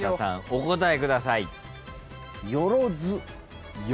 お答えください。